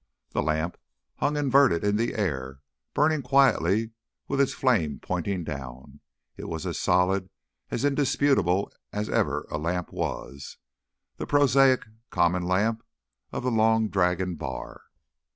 The lamp hung inverted in the air, burning quietly with its flame pointing down. It was as solid, as indisputable as ever a lamp was, the prosaic common lamp of the Long Dragon bar.